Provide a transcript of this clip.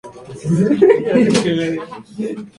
Falleció a causa de una larga enfermedad.